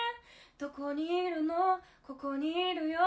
「どこにいるのここにいるよ」